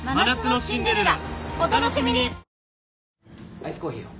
アイスコーヒーを。